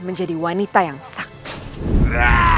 menjadi wanita yang sang